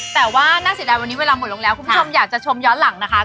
แต่ว่าน่าเสียดายวันนี้เวลาหมดลงแล้วคุณผู้ชมอยากจะชมย้อนหลังนะคะ